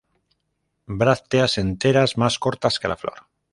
Brácteas enteras, más cortas que la flor.